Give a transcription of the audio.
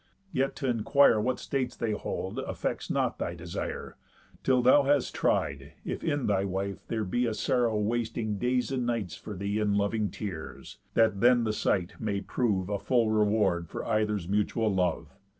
Yet t' inquire What states they hold, affects not thy desire, Till thou hast tried if in thy wife there be A sorrow wasting days and nights for thee In loving tears, that then the sight may prove A full reward for either's mutual love.